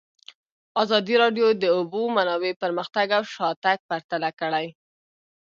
ازادي راډیو د د اوبو منابع پرمختګ او شاتګ پرتله کړی.